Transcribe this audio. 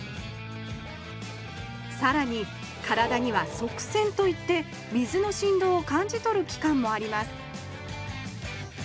さらに体には側線といって水のしんどうを感じ取る器官もあります